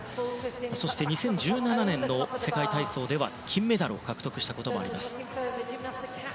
そして２０１７年の世界体操では金メダルを獲得したこともあります。